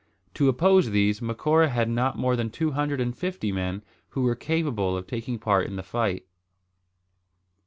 To oppose these, Macora had not more than two hundred and fifty men who were capable of taking part in the fight.